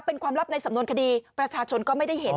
เป็นความลับในสำนวนคดีประชาชนก็ไม่ได้เห็น